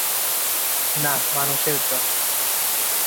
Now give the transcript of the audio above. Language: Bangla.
না, মানুষের জন্য।